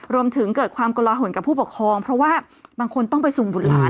รวมถึงเกิดความกลหนกับผู้ปกครองเพราะว่าบางคนต้องไปส่งบุตรหลาน